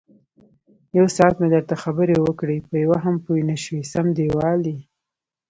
یوساعت مې درته خبرې وکړې، په یوه هم پوی نشوې سم دېوال یې.